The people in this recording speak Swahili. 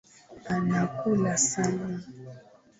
Anakula sana